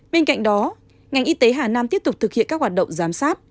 bên cạnh đó ngành y tế hà nam tiếp tục thực hiện các hoạt động giám sát